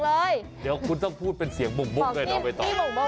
แล้วก็มีตามโบ้